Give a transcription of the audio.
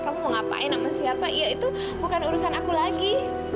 kamu mau ngapain sama siapa ya itu bukan urusan aku lagi